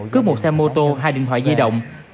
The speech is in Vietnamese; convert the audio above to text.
cướp một xe mô tô hai điện thoại di động